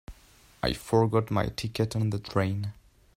I forgot my ticket on the train.